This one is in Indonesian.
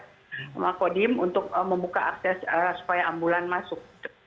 sama kodim untuk membuka akses supaya ambulan masuk